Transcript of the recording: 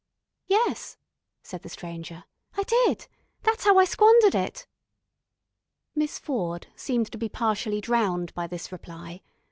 "Yes," said the Stranger, "I did. That's how I squandered it." Miss Ford seemed to be partially drowned by this reply.